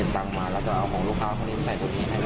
ถ้าว่าไม่เคย